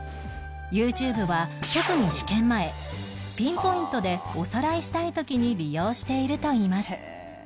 ＹｏｕＴｕｂｅ は特に試験前ピンポイントでおさらいしたい時に利用しているといいます